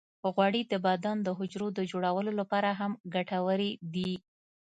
غوړې د بدن د حجرو د جوړولو لپاره هم ګټورې دي.